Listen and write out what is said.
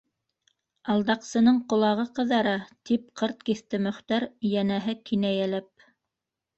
Алдаҡсының ҡолағы ҡыҙара, - тип ҡырт киҫте Мөхтәр, йәнәһе, кинәйәләп.